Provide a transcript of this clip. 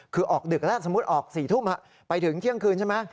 คือออกดึกแล้วสมมุติออก๔ทุ่มไปถึงเที่ยงคืนใช่ไหม